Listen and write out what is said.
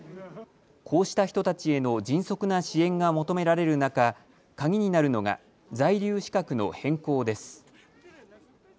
こうした人たちへの迅速な支援が求められる中、鍵になるのが在留資格の変更です。